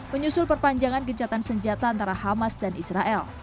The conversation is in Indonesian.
menyusul perpanjangan gencatan senjata antara hamas dan israel